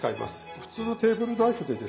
普通のテーブルナイフでですね